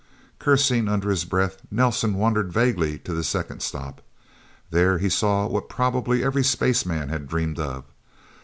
Cursing under his breath, Nelsen wandered vaguely to The Second Stop. There, he saw what probably every spaceman had dreamed of.